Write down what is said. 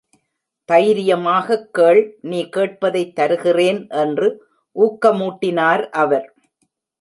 தைரியமாகக் கேள், நீ கேட்பதைத் தருகிறேன் என்று ஊக்கமூட்டினார் அவர்.